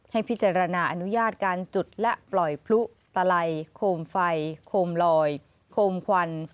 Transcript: ให้พิจารณาอนุญาตการจุดและปล่อยพลุตลัยโคมไฟโคมลอยโคมควัน